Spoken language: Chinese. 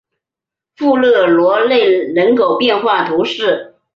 富热罗勒人口变化图示